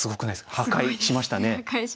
破壊しました。